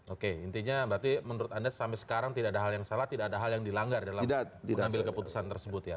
oke intinya berarti menurut anda sampai sekarang tidak ada hal yang salah tidak ada hal yang dilanggar dalam mengambil keputusan tersebut ya